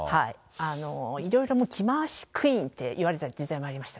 いろいろもう着回しクイーンっていわれてる時代もありました。